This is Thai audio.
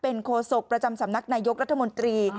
โคศกประจำสำนักนายกรัฐมนตรี